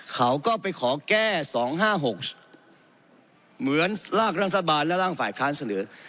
เขาก็ไปขอแก้๒๕๖เหมือนรากรัฐบาลและร่างฝ่ายค้านเสนอ